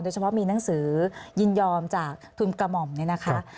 โดยเฉพาะมีหนังสือยินยอมจากทุนกมมนี่นะคะ